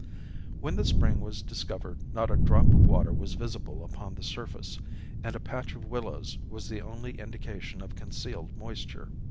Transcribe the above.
When the spring was discovered not a drop of water was visible upon the surface, and a patch of willows was the only indication of concealed moisture.